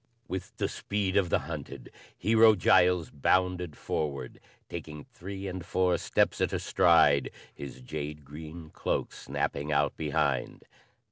With the speed of the hunted, Hero Giles bounded forward, taking three and four steps at a stride, his jade green cloak snapping out behind.